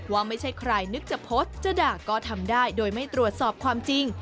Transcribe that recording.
ว่าไม่ใช่ใครนึกจะโพสต์จะด่าก็ทำได้โดยไม่ตรวจสอบความจริง